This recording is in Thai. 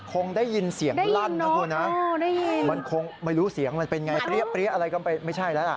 คงได้ยินเสียงลั่นนะคุณนะมันคงไม่รู้เสียงมันเป็นไงเปรี้ยอะไรก็ไม่ใช่แล้วล่ะ